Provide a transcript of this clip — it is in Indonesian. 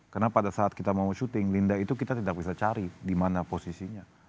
karena pada saat kita mau syuting linda itu kita tidak bisa cari dimana posisinya